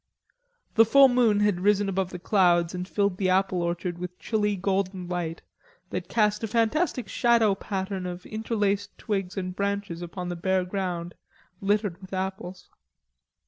The full moon had risen above the clouds and filled the apple orchard with chilly golden light that cast a fantastic shadow pattern of interlaced twigs and branches upon the bare ground littered with apples.